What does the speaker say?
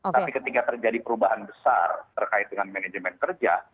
tapi ketika terjadi perubahan besar terkait dengan manajemen kerja